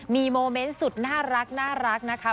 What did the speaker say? มีโมเมนต์สุดน่ารักนะคะ